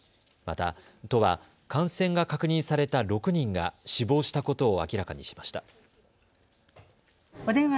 また都は感染が確認された６人が死亡したことを明らかにしました。